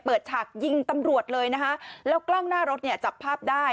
ฉากยิงตำรวจเลยนะคะแล้วกล้องหน้ารถเนี่ยจับภาพได้